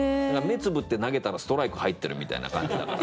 目つぶって投げたらストライク入ってるみたいな感じだから。